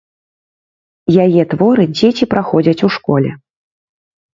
Яе творы дзеці праходзяць у школе.